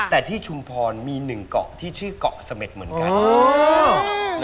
แต่ที่ชุมพรมีหนึ่งเกาะที่ชื่อเกาะเสม็ดเหมือนกัน